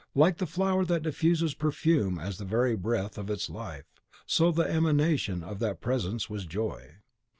Like the flower that diffuses perfume as the very breath of its life, so the emanation of that presence was joy.